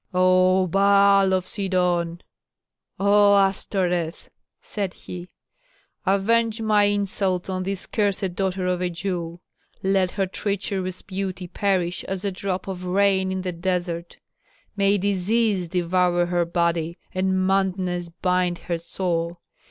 "O Baal of Sidon, O Astoreth!" said he, "avenge my insult on this cursed daughter of a Jew. Let her treacherous beauty perish as a drop of rain in the desert! May disease devour her body, and madness bind her soul!